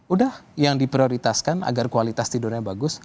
udah yang diprioritaskan agar kualitas tidurnya bagus